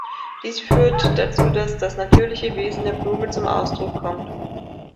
Dies führt dazu, dass das natürliche Wesen der Blume zum Ausdruck kommt.